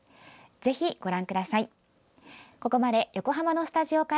ぜひ、ご覧ください。